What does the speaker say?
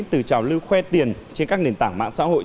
từ trào lưu khoe tiền trên các nền tảng mạng xã hội